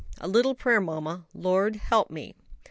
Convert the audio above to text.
"A little prayer, mamma, 'Lord help me.'"